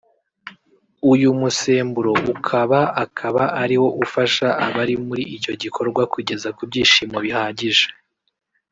uyu musemburo ukaba akaba ariwo ufasha abari muri icyo gikorwa kugeza ku byishimo bihagije